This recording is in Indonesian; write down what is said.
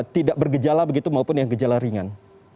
tidak bergejala begitu maupun yang gejala ringan